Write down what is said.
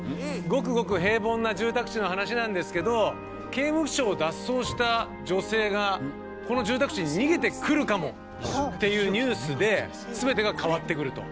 ごくごく平凡な住宅地の話なんですけど刑務所を脱走した女性がこの住宅地に逃げてくるかもっていうニュースで全てが変わってくると。